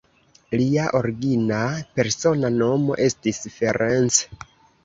Lia origina persona nomo estis Ferenc.